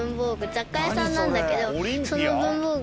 雑貨屋さんなんだけど。